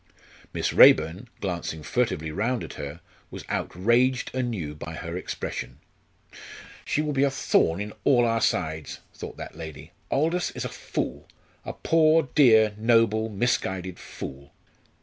Miss Raeburn, glancing furtively round at her, was outraged anew by her expression. "She will be a thorn in all our sides," thought that lady. "Aldous is a fool! a poor dear noble misguided fool!"